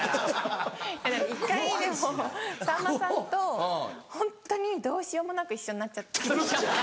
１回でもさんまさんとホントにどうしようもなく一緒になっちゃった時があって。